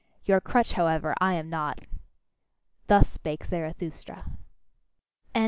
Your crutch, however, I am not. Thus spake Zarathustra. VII.